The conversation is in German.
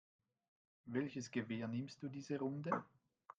Welches Gewehr nimmst du diese Runde?